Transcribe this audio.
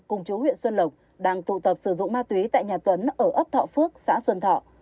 cùng chú huyện xuân lộc đang tụ tập sử dụng ma túy tại nhà tuấn ở ấp thọ phước xã xuân thọ